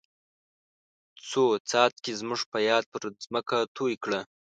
څو څاڅکي زموږ په یاد پر ځمکه توی کړه.